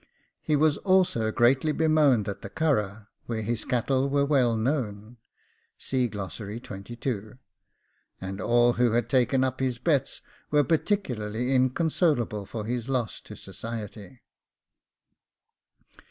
He was also greatly bemoaned at the Curragh, where his cattle were well known; and all who had taken up his bets were particularly inconsolable for his loss to society.